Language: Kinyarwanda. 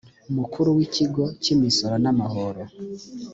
mukuru w ikigo cy imisoro n amahoro